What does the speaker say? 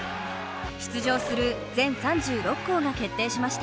出場する全３６校が決定しました。